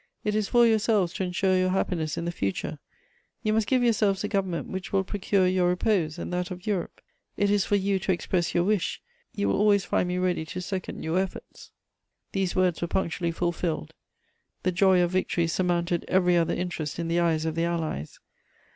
It is for yourselves to ensure your happiness in the future; you must give yourselves a government which will procure your repose and that of Europe. It is for you to express your wish: you will always find me ready to second your efforts." These words were punctually fulfilled: the joy of victory surmounted every other interest in the eyes of the Allies.